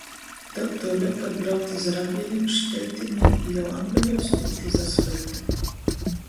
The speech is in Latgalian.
Tod tuoļuok var braukt iz Ragelim, Škeļtinim i jau Ambeļūs tikt iz asfaļta.